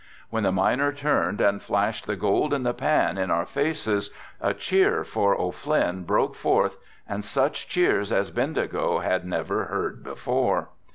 When the miner turned and flashed the gold in the pan in our faces a cheer for O'Flynn broke forth, and such cheers as Bendigo had never heard before.